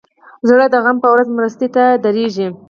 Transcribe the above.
زړه د غم په ورځ مرستې ته دریږي.